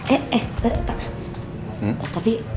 eh eh pak